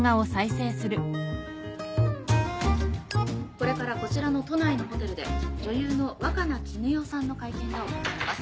・これからこちらの都内のホテルで女優の若菜絹代さんの会見が行われます。